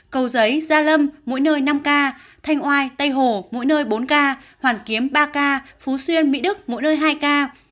cầu giấy gia lâm mỗi nơi năm ca thanh oai tây hồ mỗi nơi bốn ca hoàn kiếm ba ca phú xuyên mỹ đức mỗi nơi hai ca